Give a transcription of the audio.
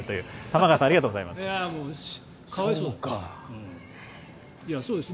玉川さんありがとうございます。